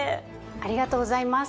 ありがとうございます。